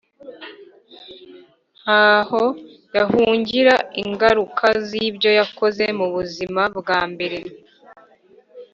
ntaho yahungira ingaruka z’ibyo yakoze mu buzima bwa mbere